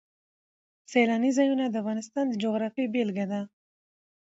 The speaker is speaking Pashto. سیلانی ځایونه د افغانستان د جغرافیې بېلګه ده.